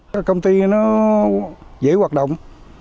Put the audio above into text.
cái công ty nó dễ hoạt động